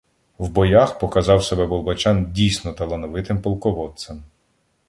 В боях показав себе Болбочан дійсно талановитим полководцем.